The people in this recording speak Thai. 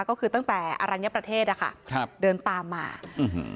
ก็คือตั้งแต่อรัญญประเทศอะค่ะครับเดินตามมาอื้อหือ